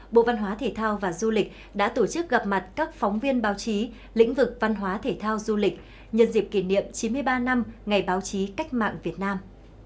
bộ văn hóa thể thao và du lịch đã tổ chức gặp mặt các phóng viên báo chí lĩnh vực văn hóa thể thao du lịch nhân dịp kỷ niệm chín mươi ba năm ngày báo chí cách mạng việt nam